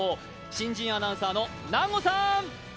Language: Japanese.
新人アナウンサーの南後さん！